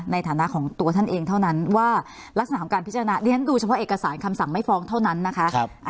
ในฐานะของตัวท่านเองเท่านั้นว่ารักษณะของการพิจารณาเรียนดูเฉพาะเอกสารคำสั่งไม่ฟ้องเท่านั้นนะคะ